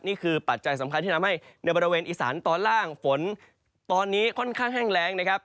ปัจจัยสำคัญที่ทำให้ในบริเวณอีสานตอนล่างฝนตอนนี้ค่อนข้างแห้งแรงนะครับ